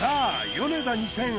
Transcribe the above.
ヨネダ２０００